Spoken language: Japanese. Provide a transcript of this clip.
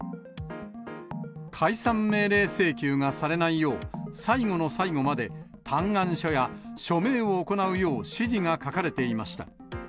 解散命令請求がされないよう、最後の最後まで嘆願書や署名を行うよう指示が書かれていました。